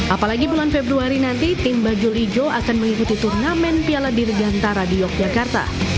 apalagi bulan februari nanti tim bajul ijo akan mengikuti turnamen piala dirgantara di yogyakarta